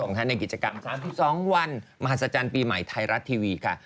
ในกิจกรรม๓๒วันมหัศจรรย์ปีใหม่ไทยรัฐทีวีค่ะ